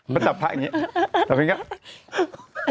มาจับผ้าอย่างนี้จับเป็นอย่างนี้